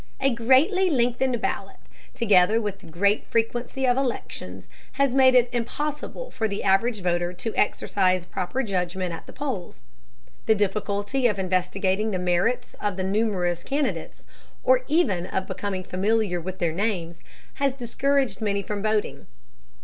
A greatly lengthened ballot, together with the great frequency of elections, has made it impossible for the average voter to exercise proper judgment at the polls. The difficulty of investigating the merits of the numerous candidates, or even of becoming familiar with their names, has discouraged many from voting.